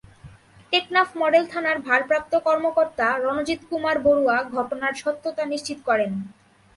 Teknaf model থানার ভারপ্রাপ্ত কর্মকর্তা রনজিৎ কুমার বড়ুয়া ঘটনার সত্যতা নিশ্চিত করেন।